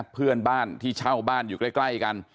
เพื่อนบ้านที่เช่าบ้านอยู่ใกล้กัน